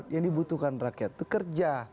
yang dibutuhkan rakyat itu kerja